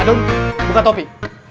adung buka topi